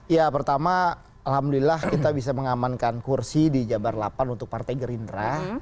ya pertama alhamdulillah kita bisa mengamankan kursi di jabar delapan untuk partai gerindra